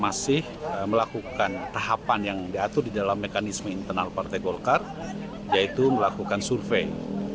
masih melakukan tahapan yang diatur di dalam mekanisme internal partai golkar yaitu melakukan survei